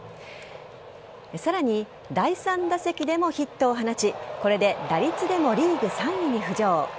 さらに第３打席でもヒットを放ちこれで打率でもリーグ３位に浮上。